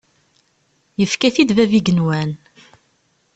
Yefka-t-id bab igenwan.